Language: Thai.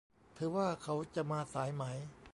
เธอว่าเขาจะมาสายไหม